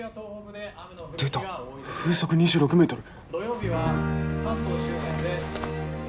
出た風速２６メートル。